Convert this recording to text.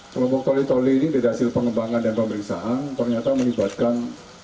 kelompok toli toli ini dari hasil pengembangan dan pemeriksaan ternyata melibatkan